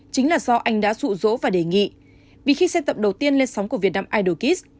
chính là do anh đã rụ rỗ và đề nghị vì khi xem tập đầu tiên lên sóng của việt nam idoqis